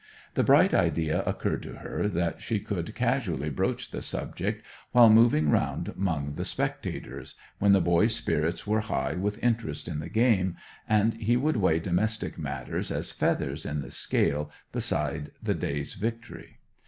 The bright idea occurred to her that she could casually broach the subject while moving round among the spectators, when the boy's spirits were high with interest in the game, and he would weigh domestic matters as feathers in the scale beside the day's victory.